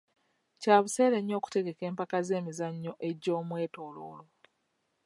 Kya buseere nnyo okutegeka empaka z'emizannyo egy'omwetooloolo.